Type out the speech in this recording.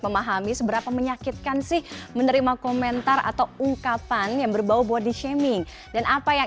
memahami seberapa menyakitkan sih menerima komentar atau ungkapan yang berbau body shaming dan apa yang